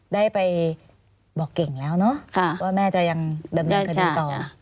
ได้ไปบอกเก่งแล้วเนอะว่าแม่จะยังดำเนินคดีต่อ